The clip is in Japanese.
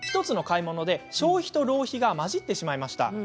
１つの買い物で、消費と浪費が混じってしまいました。